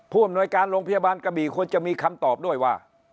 อำนวยการโรงพยาบาลกระบี่ควรจะมีคำตอบด้วยว่า